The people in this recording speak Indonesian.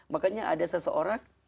makanya ada seseorang